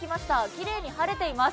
きれいに晴れています。